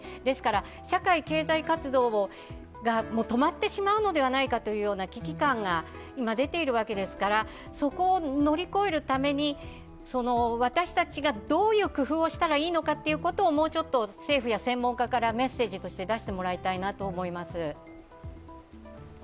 ですから、社会経済活動が止まってしまうのではないかという危機感が今、出ているわけですからそこを乗り越えるために、私たちがどういう工夫をしたらいいかをもうちょっと政府や専門家からメッセージとして出してもらいたいなと思います。